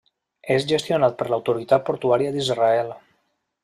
És gestionat per l'Autoritat Portuària d'Israel.